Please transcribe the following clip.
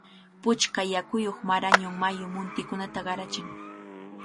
Puchka yakuyuq Marañón mayu muntikunata qarachan.